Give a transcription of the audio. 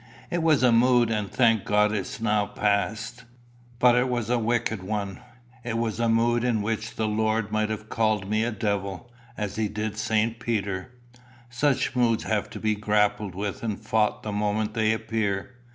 "It was a mood, and thank God it is now past; but it was a wicked one. It was a mood in which the Lord might have called me a devil, as he did St. Peter. Such moods have to be grappled with and fought the moment they appear.